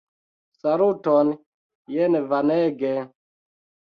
Saluton! Jen Vanege!